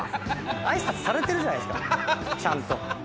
あいさつされてるじゃないですかちゃんと。